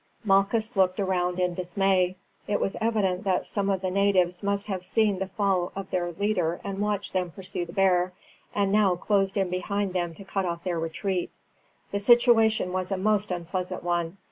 Malchus looked round in dismay. It was evident that some of the natives must have seen the fall of their leader and watched them pursue the bear, and had now closed in behind them to cut off their retreat. The situation was a most unpleasant one.